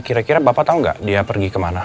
kira kira bapak tau gak dia pergi kemana